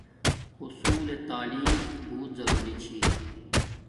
حصول تعلیم بوت ضروری چھی